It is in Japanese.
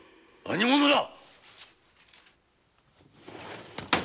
何者だ？